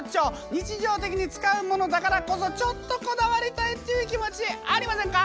日常的に使うものだからこそちょっとこだわりたいっていう気持ちありませんか？